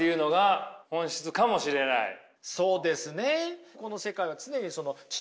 そうですね。